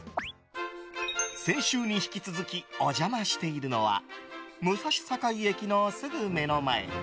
先週に引き続きお邪魔しているのは武蔵境駅のすぐ目の前。